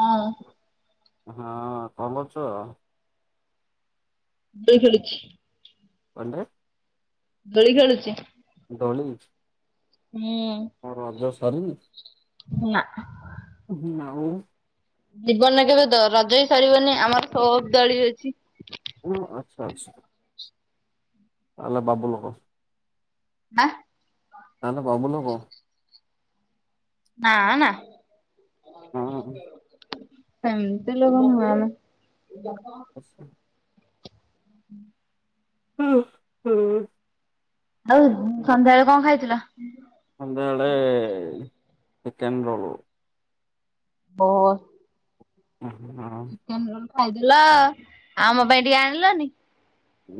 ହଁ। ହଁ କଣ କରୁଛ? ଦୋଳି ଖେଳୁଛି। କଣ ଟେ? ଦୋଳି ଖେଳୁଛି। ଦୋଳି? ହୁଁ ତୋମ ରଜ ସରିନି? ନା ଆ ହୁଁ ଆଉ ଜୀବନରେ କେବେ ଦ ରଜ ହେଇ ସଳିବନି ଆମର ସବ ଦଳି ଅଛି ହଁ ଆଚ୍ଛା ଆଛା ହେଲେ ବାବୁଲୋକ। ମାଆ। ଆମେ ବବୁଲୋକ। ନାଁ ନା। ହଁ। ସେମିତ୍ ଲୋକଙ୍କୁ ନାଁ ନା। [unintelligible] [inaudible] ହୁ ହୁଁ ଆଉ ସନ୍ଧ୍ୟାବେଳେ କଣ ଖାଇଥିଲ? ସନ୍ଧ୍ୟାବେଳେ ଚିକନ ରୋଳ। ଓ [unintelligible] ଖାଇଦଥିଲ ଆମ ପାଇଁ ଟିକେ ଆଣିଲନି?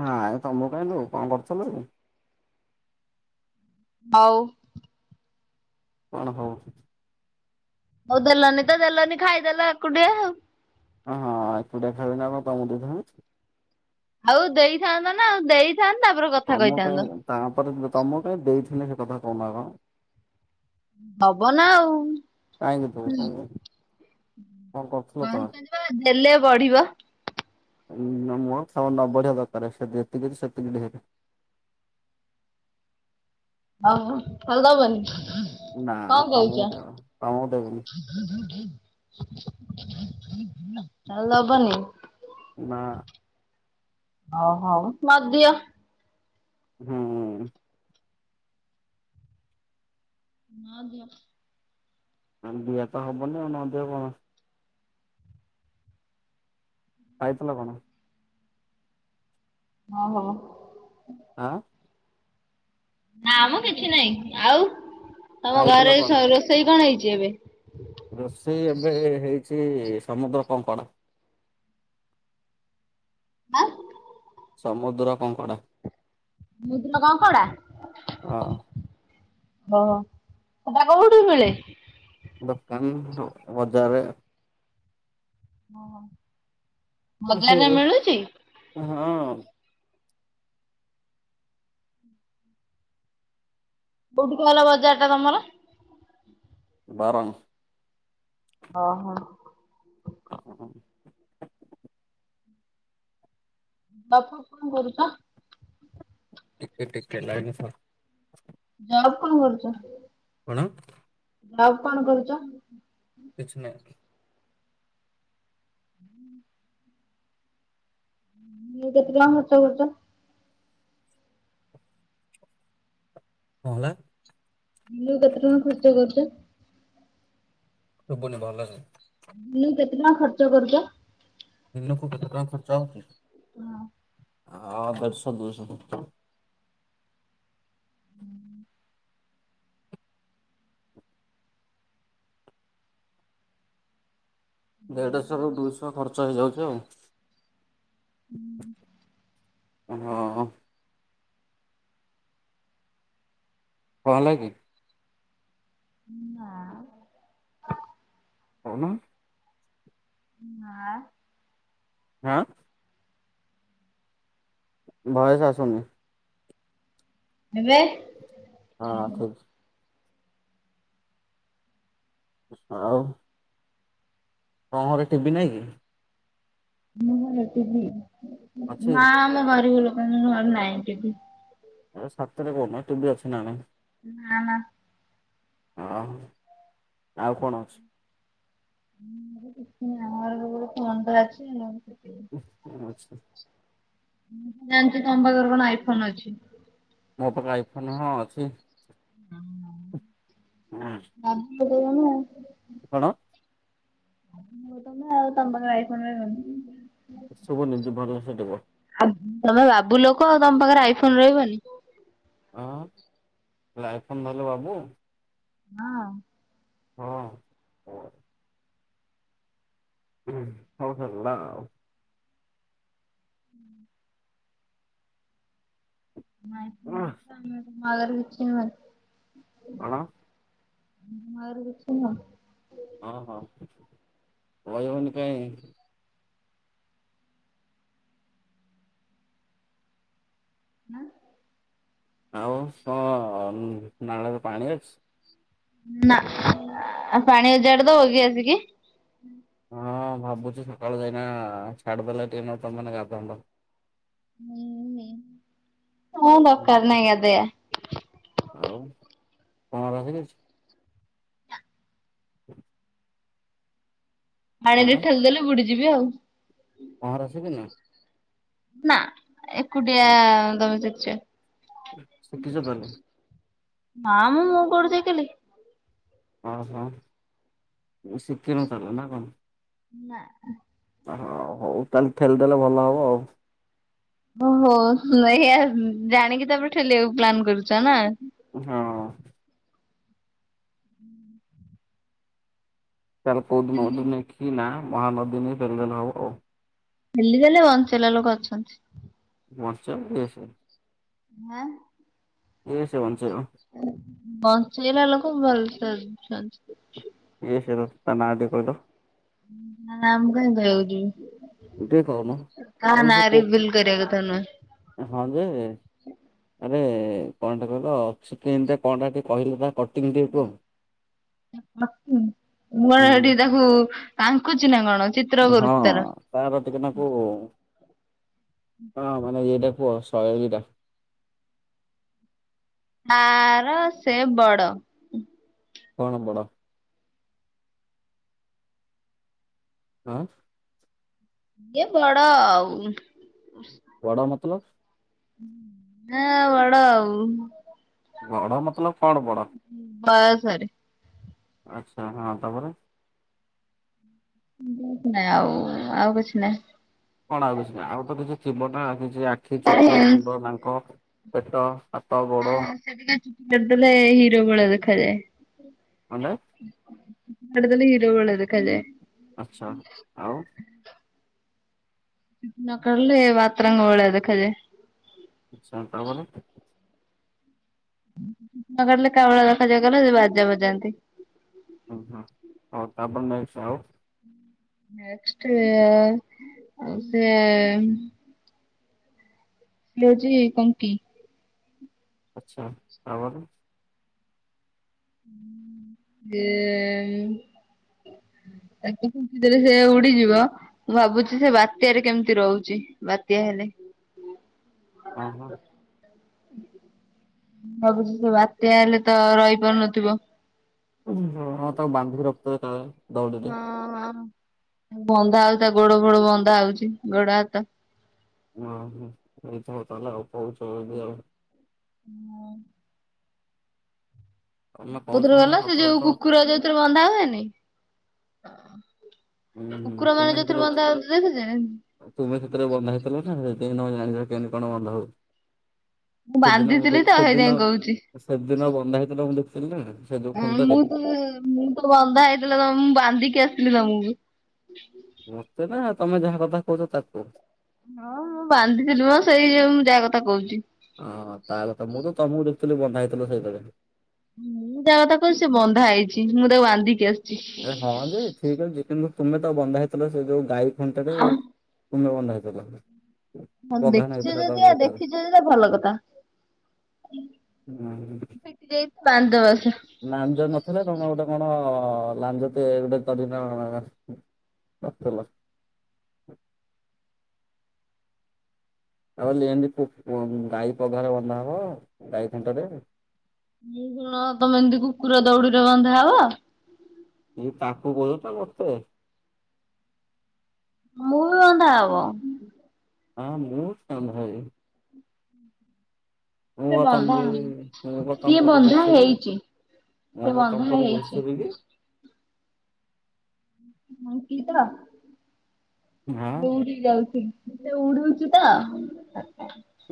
ନାଇ ତମକୁ କାଇଁ ଦେବୁ କଣ କରୁଥିଲ? ହଉ। କଣ ହଉ? ହଉ ଦେଲନି ତ ଦେଲନି ଖାଇଦେଲକୁଟିଆ ଆଉ। ହଁ ଆଉ ଏକୁଟିଆ ଖାଇବେନି ଆଉ କ ତୁମକୁ ଦେଇଥାନ୍ତି କି? ଆଉ ଦେଇଥାନ୍ତା ଦେଇ ତମକୁ କାଇଁ ତାପରେ ଦ ତମକୁ କାଇଁ ଦେଇଥିନି ସେ କଥା କହୁନା ତ? ହବ ନା ଆଉ କାହିଁକି ତ ସା କହିପାରିବା ଦେଲେ ଵଢିବ ମୁହ ନ ବଢିଆ ଦରକାର ସେ ଯେତିକି ସେତିକି ଢେର୍ [inaudible] ହ ଅଲଦା ବନି ନା କଣ ତମକୁ କହୁଛ? ଦେବ ତମକୁ ଦେବିନି ତାହଲେ ଯବନି [unintelligible] ନା ହ ହୋ, ମାଧିଆ ହୁଁ ନାଁ ଦେ [unintelligible] ଆ ଦିଅ ତ ହବନି ଆଉ, ନ ଦେହ କଣ? ପାଇଥିଲ କଣ? ଓ ହୋ ହଁ ନା ଆମ କିଛି ନାହିଁ ଆଉ ତମ ଖାଇଥିଲ ଘରେ କଣ? ରୋଷେଇ କଣ ହେଇଛି ଏବେ ସେ ସମୁଦ୍ର କଙ୍କଡା। ହଁ [unintelligible] ସମୁଦ୍ର କଙ୍କଡ଼ା ମୁଦ୍ର କଣ କୋଉଟା [unintelligible] ହଁ। ଓ ହେଟା କଉଠୁ ମିଳେ? ଦୋକାନ ବଜାର ଓ ବଜାରରେ ମିଳୁଛି। ହଁ କୋଉଠି କହିଲ ବଜାର ଟା ତମର? ବାରଙ୍ଗ। ଅ ହ। [unintelligible] ବାପୁ କଣ କରୁଛ? ଟିକେ ଟିକେ ଲାଇନି ରେ ଥା ଜବ୍ କଣ କରୁଚ? କଣ? ଜବ୍ କଣ କରୁଛ? କିଛି ନାହିଁ। [inaudible] ଦିନକୁ କେତେ ଟଙ୍କା ଖରଚ କରୁଚ? କଣ ହେଲା? ଦିନକୁ କେତେ ଟଙ୍କା ଖର୍ଚ୍ଚ କରୁଛ? ଶୁବୁନି ଭଲକି। ଦିନକୁ କେତେ ଟଙ୍କା ଖର୍ଚ୍ଚ କରୁଛ? ଦିନକୁ କେତେ ଟଙ୍କା ଖର୍ଚ୍ଚ ହୋଉଛି? ହଁ। ହଁ ଦେଢ଼ଶହ ଦୁଇ ଶହ ଦେଢଶହ ରୁ ଦୁଇଶହ ଖର୍ଚ୍ଚ ହେଇଯାଉଛି ଆଉ ହୁଁ। ହଁ ଅ। କଣ ହେଲାକି? ନା ମ କହୁନ? ଆଁ। [unintelligible] ଆଁ। ଭୟସ ଆସୁନି। ଏ ବେ ହଁ ଠିକ୍ ତ ଆଉ ତମ ଘରେ ଟିଭି ନାଇଁ କି? ମୁଁ ଏଠି ବିି ଅଛି ନା ଆମେ ଗରିବ ଲୋକ ଘର ନାହିଁ ଟିଭି। ସାତରେ ମୁ ଭି ଟଟିଭି ଅ ଛି ନା ନଈ? ନା ନା। ଆ ଆଉ କଣ ଅଛି? [unintelligible] ଆଚ୍ଛା। ଜାଣିଚି ତମ ପାଖରେ କଣ ଆଇଫୋନ ଅଛି। ମୋ ପାଖେ ଆଇଫୋନ ହଁ ଅଛି। [unintelligible] ହଁ। [unintelligible] କଣ? [unintelligible] ଶୁଭୁନି ଟିକେ ଭଲସେ କୁହ। କୁହ ତମ ପାଖରେ ଆଇଫୋନ ରହିବନି। ହଁ ଖାଲି ଆଇଫୋନ ଧରିଲେ ବାବୁ। ହଁ। ହଁ। ହ ହେଲା ଆଉ। ଆମ [unintelligible] [unintelligible] କଣ ଆମର [unintelligible] ହଁ ହଁ କହିହବନି କାଇଁ। ଆଁ। ଆଉ କଣ ନାଳରେ ପାଣି ଅଛି? ନା ପାଣି ଉ ଜଡ ତ ହଗ ସେ କି? ହଁ ଭାବୁଛି ସକାଳୁ ଯାଇନା ଛାଡିଦେଲେ ଟିକେ ତ ମାନେ ଗାଧାନ୍ତ। ହଁ ହଁ ମୋର ହଁ ଦରକାର୍ ନାହିଁ ଗାଧେଇବା। ଆଉ କଣ ରହିଯାଇଛ? [unintelligible] ଆଣିଲେ ହଁ ଠେଲିଦେଲେ ବୁଡିଯିବି ଆଉ। ପହଁରା ସିକିଚୁନା? ନା ଏକୁଟିଆ ତମେ ଶିଖିଛ? ଶିଖିଛ ତାହେଲେ। ନା ମୁଁ ମୁଁ କୋଉଠୁ ଶିକିଲି। ଓ ହୋ ଶିଖିନୁ ତାହେଲେ ନା କଣ? ନା। ହଁ ହଉ ତାହେଲେ ଠେଲି ଦେଲେ ଭଲ ହବ ଆଉ। ଓହୋ ଏଇଆ ଜାଣିକି ତାମରେ ଠେଲିବାକୁ ପ୍ଲାନ୍ କରୁଛ ନା। ହଁ। ତାହେଲେ କଉଦିନଠୁ ନେଇକିନା ମହାନଦୀ ନେଇ ଠେଲିଦେଲେ ହବ ଆଉ। ବୁଡିଗଲେ ବଞ୍ଚେଇବା ଲୋକ ଅଛନ୍ତି। ବଞ୍ଚେଇବ କିଏ ସେ? ଆଁ। କିଏ ସେ ବଞ୍ଚାଇବ ବଞ୍ଚେଇବା ଲୋକ ଭଲ ସେ ଅଛନ୍ତି। କିଏ ସେ ତା ନା ଟିକେ କହିଲ? ନା ମୁଁ କାଇଁ କହିବିକି? ଟିକେ କୋହୁନ ଭଲ ନାଁ ସେ ରିଭିଲ୍ କରିବା କଥା ନୁହେଁ। କୁହ ହଁ ଯେ ଆରେ କଣ ଟା କହିଲ ଅିକମତି କଣ ଟା ଟିକେ କହିଲେ ତା କ ମର ସେଠି ହୁଁ ତାକୁ କାଙ୍କୁ ହଁ ତ ରାତିିକନାକୁ ହଁ ମାନେ ଏଟା ପୁଅ ଶହ ବିଟା ତାର ସେ ବଡ କଣ ବଡ଼? ହଁ! ଇଏ ବଡ ଆଉ ବଡ଼ା ମତଲବ? ହଁ ବଡ଼ ଆଉ। ବଡ ମତଲବ କଣ ବଡ? ସରେ ଆଚ୍ଛା ହଁ ତାପରେ ବ ନାଇଁ ଆଉ ଆଉ କିଛି ନହିଁ। କଣ ଆଉ କିଛି ନା ଆଉ ତ କିଛି ଥିବ ନା କିଛି ଆଖି ଆରେ ଚୁଟି ହଁ ମୁଣ୍ଡ ତାଙ୍କ ପେଟ ହାତ ଗୋଡ ହଁ ସେଠିକା ଚୁଟି କରିଦେଲେ ହିରୋ ବଳ ଦେଖାଯାଏ କଁଟେ? କଡ଼ଦଲେ ହୀରୋ ଭଳି ଦେଖା ଯାଏ। ଆଛା ଆଉ ଚୁଟି ନ କାଟିଲେ ବତାର ଙ୍କ ପରି ଦେଖା ଯାଏ। ଆଛା ତା ପରେ କିଲେ କାମଳ ଦେଖାଯାଏ ଗଲା ସେ ବାଜା ବଜାନ୍ତି। ହଁ ହଁ ହଉ ତାପ ନାଇସ ଆଉ। ନେ ସେ [unintelligible] ଆଛା ତାପରେ ହେ ରେ ସେ ଉଡିଯିବ ମୁଁ ଭାବୁଛି ସେ ବାତ୍ୟରେ କେମିତି ରହୁଛି ବାତ୍ୟା ହେଲେ ଓ ହୋ। ଭାବୁଛି ସେ ବାତ୍ୟା ହେଲେ ତ ରହିପାରୁନଥିବ? ତାକୁ ବନ୍ଧୀକି ରଖିଥିବ କଲେ? ହ ବନ୍ଧା ହଉ ତା ଗୋଡ ଫୋଡ ବନ୍ଧା ହଉଛି ଗୋଡ ହାତ ହ ହ ଏଇଛ ହଉ ତାହଲେ ଆଉ ପଛ ଯ ଆଉ ହଁ। ତମେ କହୁଛ ଥିର ମାନେ ଗଲା ସେ ସତ ଯୋଉ ହେଇଥିବ କୁକୁର ଯୋଉଥିରେ ବନ୍ଧା ହୁଏନି? ହୁଁ ହୁଁ କୁକୁର ମାନେ ତୁମେ ଯୋଉଥିରେ ସେତରେ ବନ୍ଧା ହୁଅନ୍ତି ଦେଖିଛ? ତୁମେ ସେଷତରେ ବନ୍ଧା ହେଇଥିଲ ନା ସେ ନ ଜାଣି କେମତି କଣ ବଧ ହଉ ମୁଁ ବାନ୍ଧିଥିଲି ତ ସେଇ ଯାଇ କହୁଛି ସେଦିନ ବନ୍ଧା ହେଇଥିଲା ମୁଁ ଦେଖିଥିଲି ନା ସେ ଯୋଉ ଖୁଣ୍ଟରେ। ମୁଁ ତ ମୁଁ ତ ବନ୍ଧା ହେଇଥିଲା ମୁଁ ବାନ୍ଧିକି ଆ ଦ ମୁୁ ମତେ ନା ତମେ ଯାହା କଥା କହୁଛ ତାକୁ? ହଁ ମୁଁ ବାନ୍ଧିଥିଲିୁ ସେଇ ଯୋଉ ମୁଁ ଯାହା କଥା କହୁଛି। ଓଁ ତା କଥା ମୁଁ ତ ତମକୁ ଦେଖୁଥିଲି ବଧା ହେଇଥିଲ ସେଇଥିବେ ମୁଁ ଯାହା କଥା କ ସେ ବନ୍ଧା ହେଇଛି ମୁଁ ତାକୁ ବାନ୍ଧିକି ଆସିି ରେ ହଁ ଯେ ଠିକ ଅଛି, କିନ୍ତୁ ତୁମେ ତ ବନ୍ଧା ହେଇଥିଲ ସେ ଯୋଉ ଗାଈ ଖଣ୍ଟା ତୁମେ ବନ୍ଦ ହେଲେ ହଁ ଦେଖିଛୁ ଯଦି ଆଉ ଦେଖିଛୁ ଯ ତା ଭଲ କଥା ପଟି ଯଛି ବନ୍ଦ ନାଂଜ ନଥିଲା ତମେ ଗୋଟେ କଣ ହଁ ଲାଞ୍ଜ ତ ଏଇ ଗୋଟେ ଧରି ନିଅ ଧରିଥିଲା। ଆଉ [unintelligible] ଗାଈ ପଘାରେ ବନ୍ଧା ହବ ଗାଈ ଖୁଣ୍ଟରେ। ମୁ କଣ ତମେ ଏମିତି କୁକୁର ଦୌଡିରେ ବନ୍ଧା ହବ। କି ତାକୁ କହୁଛ ମତେ? ମୁଁ ବି ବନ୍ଧା ହବ। ହଁ ମୁଁ କାମ ହଉ। ମୁଁ ଏବେ ବା ତମ ବନ୍ଧା ଭଳି ମାନେ ତମ୍ କିଏ ଭଳି ବନ୍ଧା ଦିଶୁଛି କି! ହେଇଛି। ସେ ମୋ କଣ ବନ୍ଧା ତମ ପରି ହେଇଛି ଘୁଷୁରୀ କି! ହ କି ତ ହାଁ ଦୂରି ହେଇ ଯାଉଛି। ସେ ଉଡୁଛି ତ!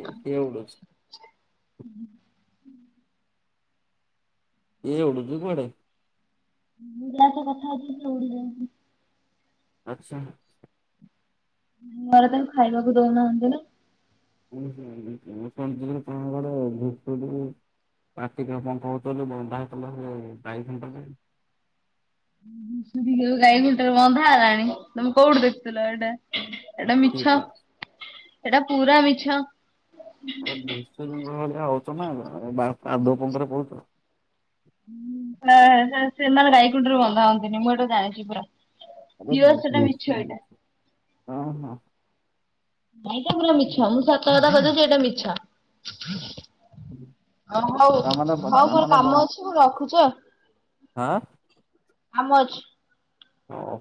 କିଏ ଉଡୁଛି? ହୁଁ। ଇଏ ଉଡୁଛି କୁଆଡ଼େ? ପିଲା ତ କଥା ହୋଉଥିଲେ ସେ ଉଡିଯାଏ। ଆଚ୍ଛା। ଘରେ ତାକୁ ଖାଇବାକୁ ଦଉନାହାନ୍ତି ନା! [unintelligible] [unintelligible] ବନ୍ଧା ହେଇଥିଲା ସେ ବାଇ ଖୁଣ୍ଟରେ। ଘୁଷୁରୀ କେବେ ଗାଇ ଖୁଣ୍ଟରେ ବନ୍ଧା ହେଲାଣି ତମେ କୋଉଠୁ ଦେଖଥିଲ ଏଇଟା। ଏଟା କିଏ ମିଛ ପା ଏଟା ପୁରା ମିଛ। ଆରେ ଘୁଷୁରୀଙ୍କ ଭଳିଆ ହଉଛ ନା କଣ ବା ପା କାଦୁଅ ପଙ୍କ ରେ ପଡୁ ସେନା ସେ ସେମାନେ ଗାଇଖୁଣ୍ଟରେ ବନ୍ଧା ହୁଅନ୍ତିନି ମୁଁ ଏଟା ଜାଣିଚି ପୁରା। ପିଓର ସେଟା ମିଛ ଏଇଟା [unintelligible] ହଁ ହଁ। ଭାଇ ତ ପୁରା ମିଛ ମୁଁ ସତ କଥା କହିଦଉଚି ଏଟା ମିଛ। ହଁ। ହଉ ହଉ ହଉ ମୋର କାମ ଅଛି ମୁଁ ରଖୁଛି ଆଉ। ଆଁ। କାମ ଅଛି। ହଁ।